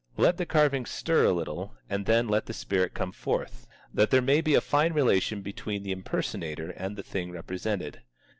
Let the carving stir a little, and then let the spirit come forth, that there may be a fine relation between the impersonator and the thing represented.